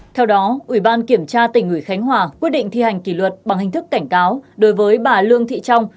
theo đó ủy ban kiểm tra tỉnh ủy khánh hòa quyết định thi hành kỷ luật bằng hình thức cảnh cáo đối với bà lương thị trong